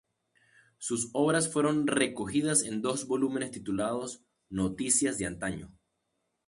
Sus obras fueron recogidas en dos volúmenes titulados "Noticias de antaño".